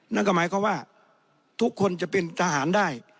นั่นก็หมายความว่าทุกคนจะเป็นทหารได้